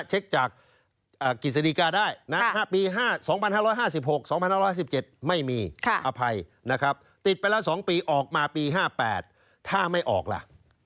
เช็คจากกิจสดีกาได้นะปี๒๕๕๖๒๕๑๗ไม่มีอภัยนะครับติดไปแล้ว๒ปีออกมาปี๕๘ถ้าไม่ออกล่ะ